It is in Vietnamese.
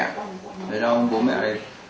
thế đó bố mẹ thì